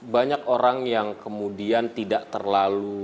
banyak orang yang kemudian tidak terlalu